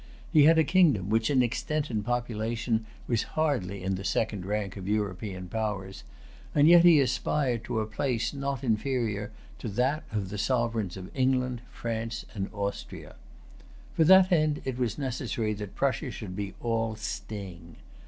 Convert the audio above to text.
He had a kingdom which in extent and population was hardly in the second rank of European powers; and yet he aspired to a place not inferior to that of the sovereigns of England, France, and Austria. For that end it was necessary that Prussia should be all sting.